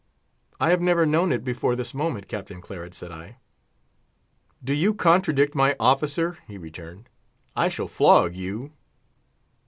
"I have never known it before this moment, Captain Claret," said I. "Do you contradict my officer?" he returned. "I shall flog you."